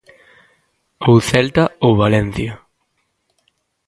Ou Celta ou Valencia.